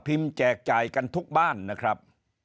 แจกจ่ายกันทุกบ้านนะครับ